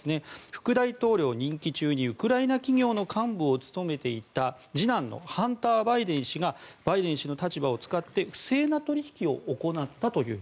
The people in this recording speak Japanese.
副大統領任期中にウクライナ企業の幹部を務めていた次男のハンター・バイデン氏がバイデン氏の立場を使って不正な取引を行ったという。